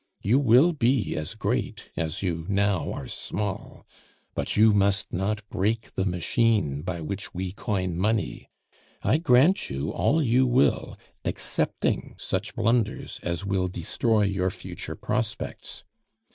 You will be as great as you now are small; but you must not break the machine by which we coin money. I grant you all you will excepting such blunders as will destroy your future prospects.